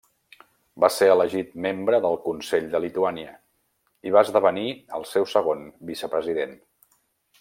Va ser elegit membre del Consell de Lituània i va esdevenir el seu segon vicepresident.